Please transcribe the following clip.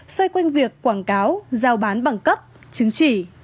xoay quanh việc quảng cáo giao bán bằng cấp chứng chỉ